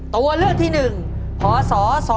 ตัวเลือกที่๑พศ๒๕๖